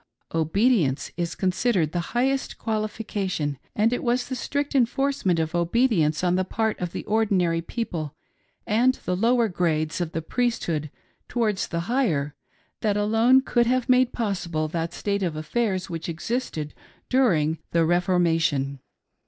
Obedience is considered the highest qualification, and it was the strict enforcement of obedience on the part of the ordinary people and the lower grades of the Priesthood towards the higher that alone could have made possible that state of affairs which existed during the " Reformation."